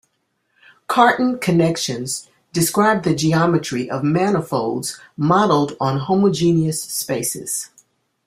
Cartan connections describe the geometry of manifolds modelled on homogeneous spaces.